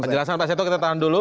penjelasan pak seto kita tahan dulu